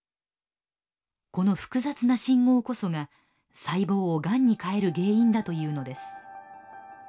この複雑な信号こそが細胞をがんに変える原因だというのです。